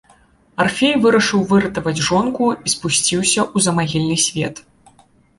Арфей вырашыў выратаваць жонку і спусціўся ў замагільны свет.